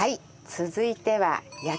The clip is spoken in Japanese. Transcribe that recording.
続いては。